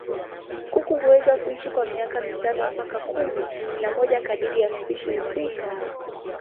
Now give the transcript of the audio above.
Kuku huweza kuishi kwa miaka mitano mpaka kumi na moja kadiri ya spishi husika.